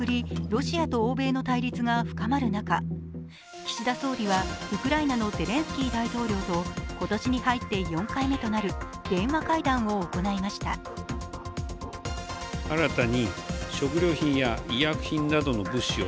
ロシアと欧米の対立が深まる中、岸田総理はウクライナのゼレンスキー大統領と今年に入って４回目となる電話会談を行いました。